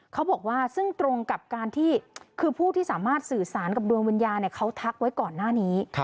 เขาบอกว่าซึ่งตรงกับการที่คือผู้ที่สามารถสื่อสารกับดวงวิญญาณเขาทักไว้ก่อนหน้านี้